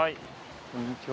こんにちは。